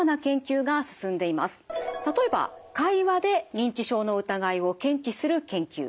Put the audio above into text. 例えば会話で認知症の疑いを検知する研究。